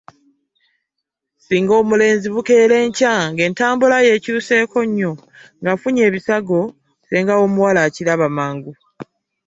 Singa omulenzi bukeera enkya ng’entambula ye ekyuseeko nnyo, ng’afunye ebisago, ssenga w’omuwala akiraba mangu.